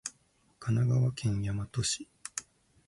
神奈川県大和市